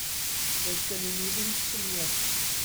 Does gennym ni ddim syniad.